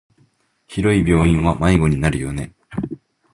広い病院は迷子になるよね。